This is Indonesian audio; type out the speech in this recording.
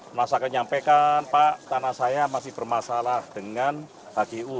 masyarakat menyampaikan pak tanah saya masih bermasalah dengan hgu